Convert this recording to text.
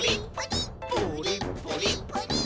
「プリップリッ」プリッ！